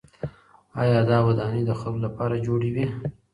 آیا دا ودانۍ د خلکو لپاره جوړې وې؟